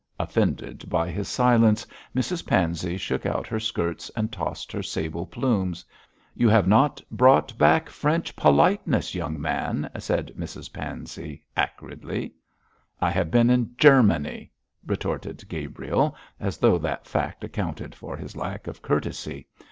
Offended by his silence, Mrs Pansey shook out her skirts and tossed her sable plumes. 'You have not brought back French politeness, young man,' said Mrs Pansey, acridly. 'I have been in Germany,' retorted Gabriel, as though that fact accounted for his lack of courtesy.